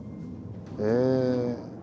へえ。